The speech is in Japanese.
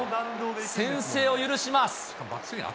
先制を許します。